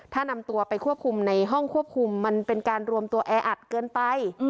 ถ้านำตัวไปควบคุมในห้องควบคุมมันเป็นการรวมตัวแออัดเกินไป